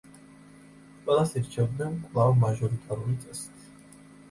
ყველას ირჩევდნენ კვლავ მაჟორიტარული წესით.